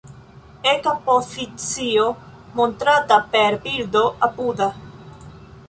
Eka pozicio montrata per bildo apuda.